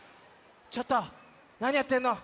ちょっとなにやってんの？